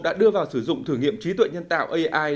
đã đưa vào sử dụng thử nghiệm trí tuệ nhân tạo ai